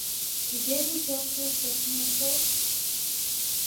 — Тугеже пелшыр дек миен тол.